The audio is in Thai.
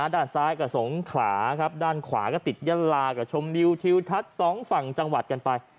ด้านซ้ายก็สงขลาครับด้านขวาก็ติดยาลากับชมวิวทิวทัศน์สองฝั่งจังหวัดกันไป